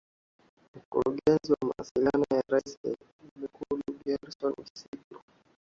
Mkurugenzi wa mawasiliano ya Rais Ikulu ni Gerson Msigwa